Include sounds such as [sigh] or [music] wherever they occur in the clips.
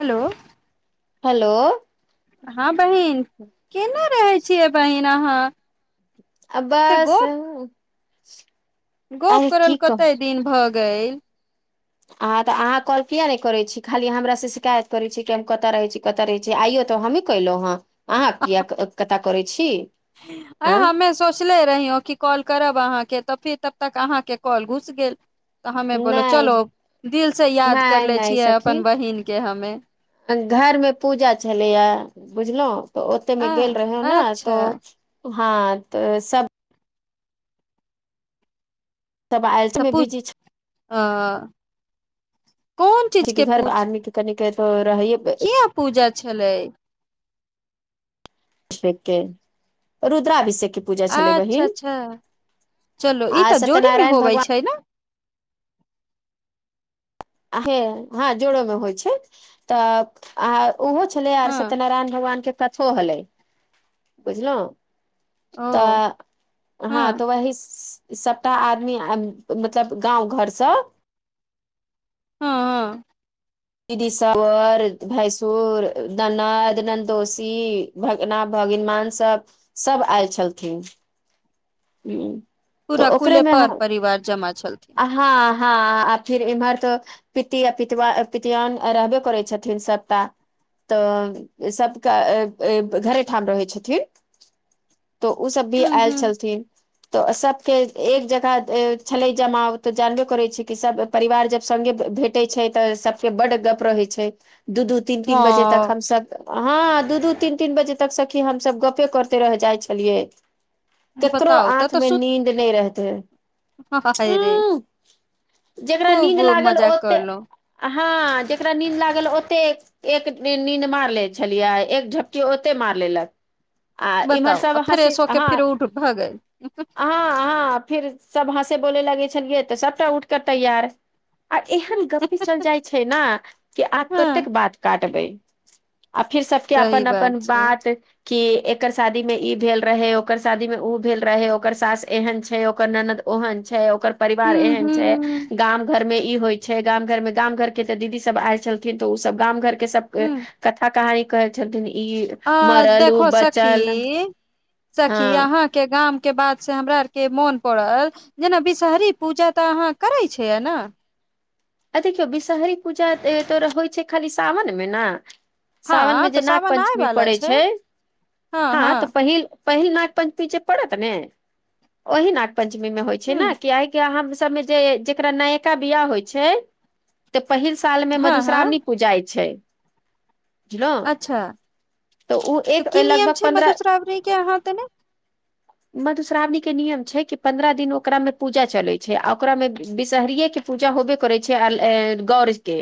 Hello. Hello. हां बहिन किनै रहै छियै बहिन अहाँ। आ से गप बसहु गप करल कते दिन भ गेल। आ तऽ अहाँ काॅल किया नै करै छी, खाली हमरा से शिकायत करै छी कि हम कता रहै छी। कता रहै छी आइयो तऽ हमी केलौ हें, अहाँ किया क अ कता करै छी। आ हम्मे सो चले रहियो कि कॉल करब अहाँके तऽ फिर तब तक अहाँ के कॉल घुस गेल। तऽ हम्मे बोलो नहि चलो दिल से याद कर नहि लाए छियै अपन बहिन के हम्मे। अ घर मे पूजा छलैया बुझलौ। त ओते मे आ गेल रहौ नै तऽ अच्छा हां तऽ सब तब [unintelligible] बीजी छी। आ। ठीकघर आदमी के कनि के त रहैये कियाए पूजा छलै। ठीके, रुद्रा अभिषेक के पूजा छलै अच्छा बहिन अच्छा चलो ई आय तऽ जोड़ी मे सत्यनारायण होबै भगवान छै ने आह के हां जोड़ो मे होय छै तऽ आ उहो छलै आर हँ सत्यनारायण भगवान के कथो होलै। बुझलौ ओ तऽ हँ हां तऽ वही स इ सबटा आदमी आ मतलब गाँव घर स। हां। दीदी सवर, भैंसुर ननद, नन्दोसी। भगना भगिनमान सब सब आएल छलथिन। हुं। पूरा कुले पर परिवार जमा छलथि। हां-हां आ फिर इमहर तऽ पिती आ पितवा पितयौन आ रहबे करै छथिन सबटा। तऽ सबके ए ए घरे ठाम रहै छथिन। तो उ सब भी हूँ आएल हूँ छलथि। तऽ सबके एक जगह ए छलै जमाव तऽ जानबे करै छी कि सब परिवार जब संगे भेटै छै तऽ सबके बड गप रहै छै दु-दु तीन-तीन बजे तक हम सब हां दू-दू, तीन-तीन बजे तक सखी हम सब गपे करतै रह जाय छलियै। हँ करो बताउ तऽ आंख तऽ मे सुत नीन्द नै रहतै। [unintelligible] रे जेकरा खूब नींद लागल मजा ओते करलहुँ। हँ जेकरा नीन्द लागल ओतेक एक नी नीन्द मार ले छलियै एक झपकी ओते मारि लेलक। आ इम्हर बताउ सब हँसी फ्रेश होके फिर उठ भ गेल। हँ हँ फिर सब हँसे बोले लगे छलियै तऽ सबटा उठके तैयार आ एहन गपी चलि जाय छैय ने कि आब हँ कतेक बात काटबय। आ फिर सबके सही अपन अपन छै बात की एकर शादी मे ई भेल रहय ओकर शादी मे उ भेल रहय ओकर सास एहन छैय, ओकर ननद ओहन छैय, ओकर परिवार हूँ एहन छैय। हूँ गाम घर मे इ होइ छैय गाम घर मे गाम घर के जे दीदी सब आयल छलथिन तऽ ओ सब गाम घर के सब के हूँ कथा कहानी कहय छलखिन इ। आ देखो सखी सखी हँ अहाँ के गाम के बात से हमरा आर के मोन पड़ल जेना विषहरी पूजा तऽ अहाँ करै छियै ने। आ देखियौ विषहरी पूजा तो होइ छैय खाली सावन मे ना। साावन मे हँ जे तऽ नाग सावन आय पंचमी वाला पड़ै छै छैय हँ तऽ पहिल पहिल नाग पंचमी जे पड़त ने ओहि नाग पंचमी में होय छैय हूँ ने की आइ के हम सबमे जे जेकरा नयका बियाह होय छैय। तऽ पहिल साल मे हँ हँ मधुश्रावणी पूजाय छैय। अच्छा ओ तऽ एक की नियम लगभग छैय पन्द्रह मधुश्रावणीे के अहाँ ओते ने [inaudible] मधुश्रावणी के नियम छैय कि पंन्द्रह दिन ओकरा मे पूजा चलय छैय आ ओकरा मे बिषहरिये के पूजा होबे करै छैय आ गौर के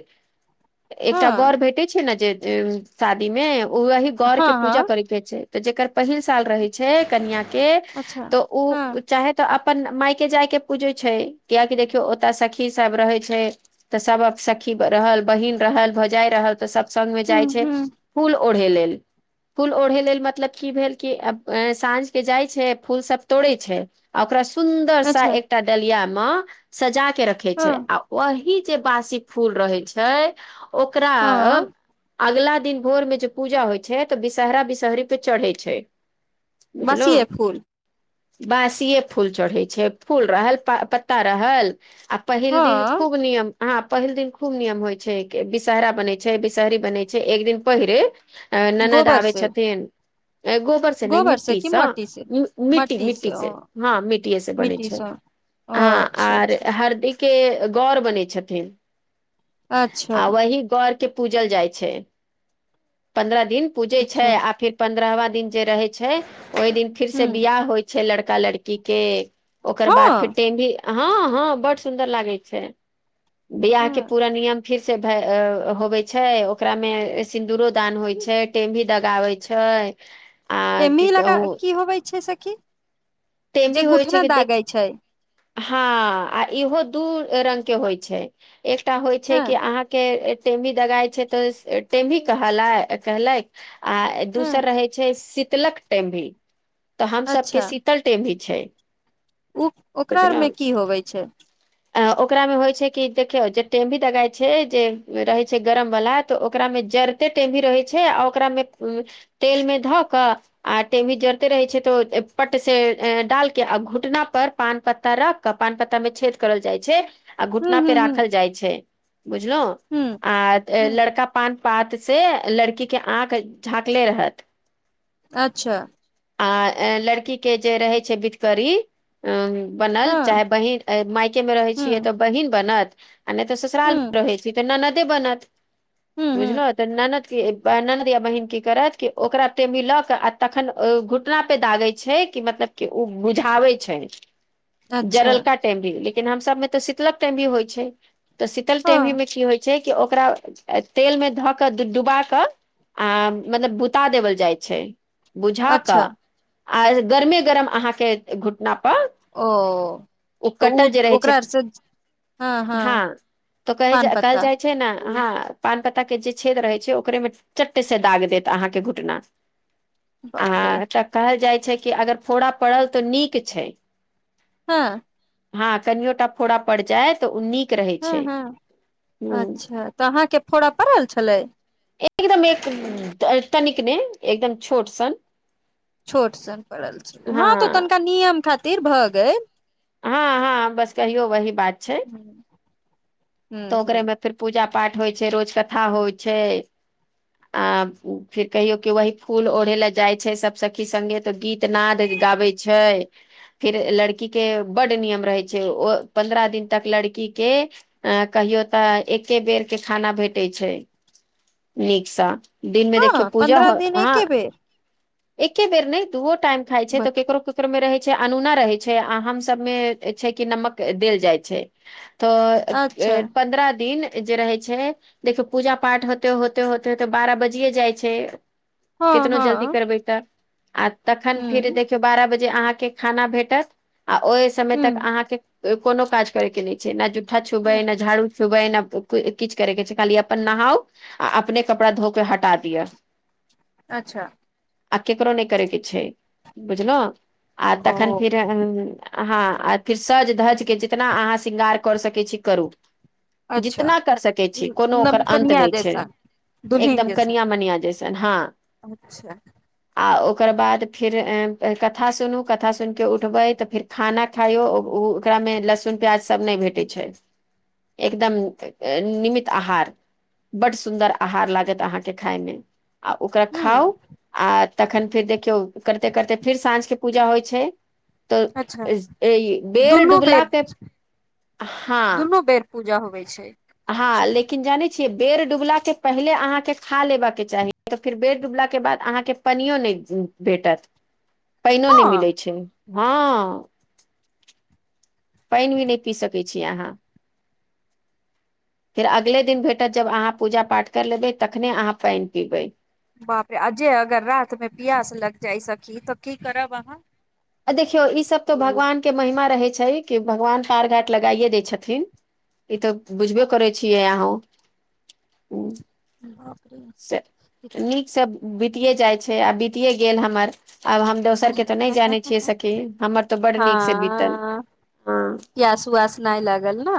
एकटा हँ गौर भेटै छैय ने जे जे शादी मे ओ वही गौर के हँ पूजा हँ करे पड़य छैय त जेकर पहिल साल रहय छैय कनिया के अच्छा तऽ हँ उ चाहे तऽ अपन माय के जाय के पूजय छैय कियेकि देखियौ ओतऽ सखी सब रहय छैय तऽ सब सखी रहल बहिन रहल भौजाय रहल तऽ सब संग मे हूँ जाय छैय हूँ फूल ओढ़े लेल। फूल ओढ़े लेल मतलब की भेल कि अब साँझ के जाय छैय फूल सब तोड़य छैय। आ ओकरा सुन्दर सा अच्छा एकटा डलिया मऽ सजा के रखे छैय। हँ आ ओही जे बासी फूल रहय छैय ओकरा हँ अगला दिन भोर मे जे पूजा होय छैय तऽ विषहारा विषहरी पे चढ़ै छैय। बुझलों। बसिये फूल बासीेए फूल चढ़े छैय, फूल रहल प पत्ता रहल आ पहिल दिन हँ खूब नियम हाँ पहिल दिन खूब नियम होइत छैय विषहरा बनै छैय विषहरी बनै छैय एक दिन पहिरे। अ ननद गोबर आबे से छथिन गोबर नहि से कि मिट्टीसँ मट्टी से मिट्टी मट्टी मिट्टी ओ से हँ मिट्टए से बनै मिट्टी छैय। ओ हँ अच्छा आर अच्छा हरदिक के गौर बने छथिन अच्छा आ वही गौर के पूजल जाइत छैय पन्द्रह दिन पूजै छैय अच्छा आ फेर पन्द्रहवा दिन जे रहै छैय ओहि दिन फिर से हूँ बियाह होइत छैय लड़का लड़की के। ओकर बाद फेर हँ टेंमी हँ हँ बड्ड सुन्दर लागै छैय। बियाह के हँ पूरा नियम फिर से भय होबै छैय ओकरामे सिन्दूरो दान होेइ छैय टेमी दगाबै छैय। टेमी लगा की होबै छै सखी? जे टेमी होइ छै, गुठना जे देख दागै छै हँ, आ इहो दू रंग के होइ छै, एकटा होइ छै हँ कि अहाँके टेमी दगाय छै तऽ, टेमी कहलै कहलैक। आ दोसर हँ रहे छै, शीतलक टेम भी। तऽ, हम सबके अच्छा शीतल टेम भी छै। ओ, ओकरा आरमे की होबै छै? आ, ओकरामे होइ छै कि देखियौ, जे टेम भी दगााय छै, जे रहै छै गरम वाला, तऽ ओकरामे जड़ ते टेम भी रहै छै, आ ओकरा मे तेल मे धऽ कऽ आ टेमी जरते रहै छै तो, पट से डालके, आ घुटना पर पान पत्ता रख कऽ, पान पत्ता मे छेद करल जाइ छै, आ हूँ घुटना पे राखल जाइ छै। बुझलौ? हूं। आ लड़का पान पात से, लड़की के आँख झाँकले रहत। अच्छा। आ लड़की के जे रहै छै, बिधकरी अम, बनल, हँ चाहे बहीन, मायकेमे रहै छियै, हुँ तऽ बहीन बनत। आ नहि तऽ, ससुराल हुँ मे रहै छी, तऽ ननदे बनत, हुँ हुँ बुझलहुं? तऽ ननद के, ननद या बहिन की करत, की ओकरा टेम भी लऽ के, आ तखन, घुटना पे दागै छै। छै कि, मतलब की, ओ बुझाबै छै? अच्छा जरलका टेम भी, लेकिन हम सब मे तऽ शीतलक टेम भी होइ छै, तऽ शीतल टेमी हँ में की होइ छै? छै कि, ओकरा तेल मे धऽ क, डुबा कऽ आ मतलब, बुता देवल जाइ छै? बुझा कऽ, अच्छा आ गर्मे गरम अहाँके घुटनापर ओ, तऽ ओ, छै ओकरारसँ हँ, त कहि जे, पान केल पत्ता चैल छै ने हाँ, पान पत्ता के जे छेद रहै छै, ओकरे मे चट्टे से दाग देत, अहाँके घुटना। आ, बाप रे तऽ कहल जाइत छै, कि अगर फोड़ा पड़ल, तऽ नीक छै। हँ? हँ, कनिओ टा फोड़ा पड़ जाय तऽ, ओ नीक रहै छै हुं-हुं, ह अच्छा, तऽ अहाँके फोड़ा पड़ल छलै? एकदमे, तनिक ने, एकदम छोटसन। छोट सन पड़ल छल, हँ तऽ तनिका नियम खातिर भऽ गेल। हँ -हँ, बस कहियो, वही बात छै, हुँ तऽ ओकरे हुँ मे फेर पूजा पाठ होइ छै, रोज कथा होइ छै। आ फिर कहियो कि, वही फूल ओढ़े ले जाय छै, सब सखी संगेत। गीत नाद गाबै छै, फिर लड़की के बड नियम रहै छै, ओ पन्द्रह दिन तक लड़की के अ कहियो तऽ एके बेरके खाना भेटैत छै नीकसँ। दिनमे देखियौ हँ पूजा पन्द्रह हो, दिन हँ। एके बेर एके बेर नै, दूओ टाइम खाय छै, ब तो केकरो-केकरो में रहे छै, अनूना रहे छै। छै, आ हम सब मे छै कि, नमक देल जाइ छै। तऽ, अच्छा ए, पन्द्रह दिन। जे रहै छै, देखियौ, पूजा पाठ होते-होते-होते-होते, बारह बजियए जाइ छै। हँ केतनो जल्दी हँ करबै तऽ आ तखन फेर हुँ देख बारह बजे अहाॅं के खाना भेटत आ ओय समय तक हुँ अहां के कोनो काज करेके नहि छै न जूठा छुबय हुँ न झाडू। छुबय न किछ करेके छै खाली अपन नहाउ आ अपने कपड़ा धोक के हटा दिअ। [inaudible] अच्छा आ केकरो नहि करै के छै बुझलों आ तखन ओ फिर ह हँ आ फिर सज धज के जितना अहाँ श्रृंगार कर सकै छी करू। अच्छा जितना कर सकै छी कोनो ओकर अन्त नमकनिया नहि छै। जैसन दुल्हिन एकदम जैसन कनिया-मनिया जैसन हँ। अच्छा आ ओकर बाद फीर कथा सुनू कथा सुनि के उठ उठबै तऽ फेर खाना खायइो ओ उ ओकरा मे लहसुन प्याज सब नहि भेटै छै। एकदम निमित आहार। बड सुंन्दर आहार लागत अहाँके खाय मे। आ ओकरा हुँ खाउ आ तखन फेर देखियौ करते करते फिर साँझ के पूजा होइ छै तऽ अच्छा ए- दुनू बेर डुबलाके हँ दुनू बेर। पूजा होबै छै। हँ अच्छा लेक किन जानै छियै बेर डुबला के पहिले अहाँके खा लेबा के चाही तऽ फेर बेर डूबला के बाद अहाँके पनियो नहि भेटत पैनो नहि हँ मिलै छै हँ। पानि भी नहि पी सकै छी अहाँ। फेर अगले दिन भेटत जब अहाँ पूजा पाठ करि लेबै तखने अहाँ पैन पीबै। बाप रे आ जे अगर रात मे पियास लग जाय सखी तऽ की करब अहाँ? आ देखियौ ई सब तो भगवान के महिमा रहै छै कि भगवान पार घाट लगाइये दै छथिन। ई तऽ बुझबे करै छियै अहौं। बाप रे से नीकसँ बीतिये जाइ छै आ बतिये गेल हमर आब हम दोसर के तऽ नहि जाने छियै सखी हमर त बड नीक से बीतल हं। पियस उआस नहि लागल ना।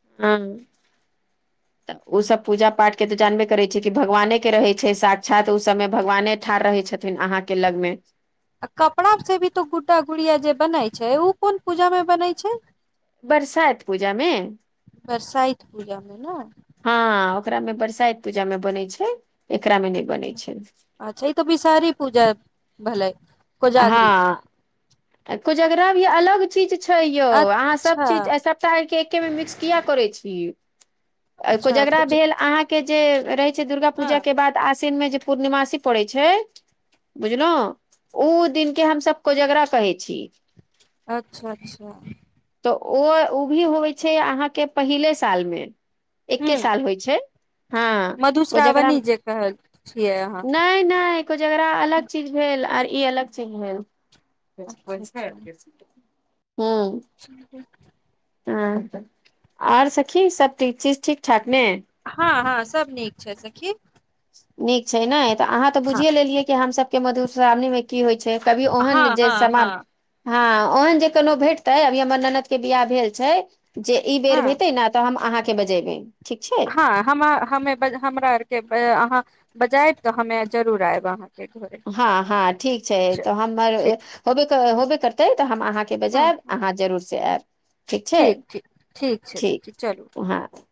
[unintelligible] तऽ ऊसभ पूजा पाठ के तऽ जानबे करै छियै कि भगवाने के रहैत छै साक्षात ओ समय भगवाने ठाढ़ रहै छथिन। थिन अहाँके लग मे। आ कपड़ा से भी तो गुड्डा गुड़िया जे बनै छै उ कोन पूजा मे बनै छै? बरसाइत पूजामे। बरसाइत पूजामे नै। हँ ओकरा में बरसाइत पूजा मे बनै छै एकरा मे नहि बनै छै। अच्छा ई तऽ बिसहरी पूजा भलय। हँ कोजगरा भी अलग चीज छै यौ अहाँ सब अच्छा चीज ऐसब टा एक्के मे मिक्स किया करय छी अ अच्छा कोजगरा कुछ भेल अहाॅंके जे रैत दुर्गा हँ पूजा के बाद आसिन मे जे पूर्णिमासी पड़े छै बुझलौं ऊं दिन के हमसब कोजगरा कहै छी। अच्छा-अच्छा।। तऽ ओ उभी होबइ छै अहाँके पहिले साल मे। एकके हूँ साल होइ छै। हँ को जकरा मधुश्रावणी जे कहल छियै अहाँ। कोजगरा अलग चीज भेल, आर ई अलग चीज भेल। केश अच्छा परिछय केश, ऍ चललिय कतह। हँ सखि, आओर सखी सब चीज ठीक- ठाक ने। हँ- हँ सब नीक छै सखी। नीक छै नए, तऽ अहाँ तऽ हँ बुझिए लेलियै कि हमसब के मधुश्रावणी मे की होइ छै कभी ओहन हँ जे समर्प। हँ हँ ओहन जे कोनो भेटतै, अभी हमर ननद के बियाह भेल छै। जे ई बेर हँ हेतै न, तऽ हम अहाँके बजेबै, ठीक छै। हॅ हमा-हममे बज हमरा आर के पे--आहाॅ बजैत त हमे जरूर आयब अहाॅ। हँ- हँ ठीक छै, तऽ हमर ठीक होबे कर होबे करतै तऽ हम अहाँ के हँ बजायब हँ अहाँ जरूर से आयब। ठीक छै, ठीक छै ठीक। सखी चलू उ हाथ